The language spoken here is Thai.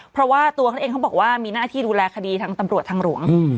เพราะว่าตัวเขาเองเขาบอกว่ามีหน้าที่ดูแลคดีทางตำรวจทางหลวง